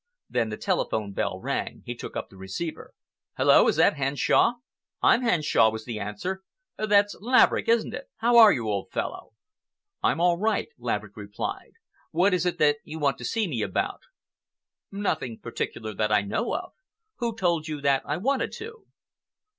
Then the telephone bell rang. He took up the receiver. "Hullo! Is that Henshaw?" "I'm Henshaw," was the answer. "That's Laverick, isn't it? How are you, old fellow?" "I'm all right," Laverick replied. "What is it that you want to see me about?" "Nothing particular that I know of. Who told you that I wanted to?"